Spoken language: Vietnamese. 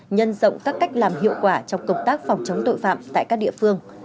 nhân rộng các cách làm hiệu quả trong công tác phòng chống tội phạm tại các địa phương